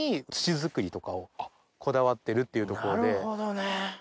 なるほどね！